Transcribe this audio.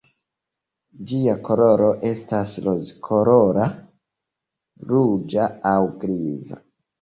Ĝia koloro estas rozkolora, ruĝa aŭ griza.